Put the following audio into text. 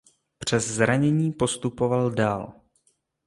Přes zranění postupoval dál.